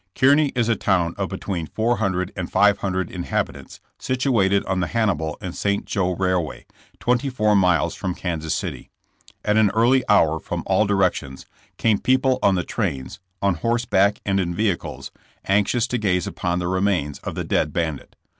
Kearney is a town of between four hundred and five hundred in habitants, situated on the Hannibal and St. Joe rail way, twenty four miles from Kansas City. At an early hour from all directions came people on the trains, on horseback and in vehicles, anxious to gaze upon the remains of the dead bandit.